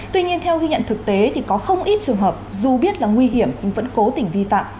tuy nhiên theo ghi nhận thực tế thì có không ít trường hợp dù biết là nguy hiểm nhưng vẫn cố tình vi phạm